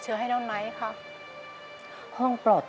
แต่ที่แม่ก็รักลูกมากทั้งสองคน